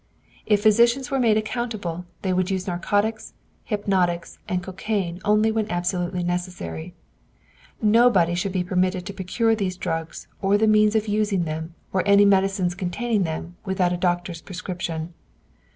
If physicians were made accountable, they would use narcotics, hypnotics, and cocaine only when absolutely necessary. Nobody should be permitted to procure these drugs or the means of using them or any medicines containing them without a doctor's prescription.